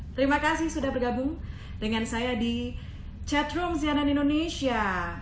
terima kasih sudah bergabung dengan saya di chatroom cnn indonesia